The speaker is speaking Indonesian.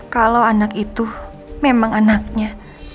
kalau anak itu memang anaknya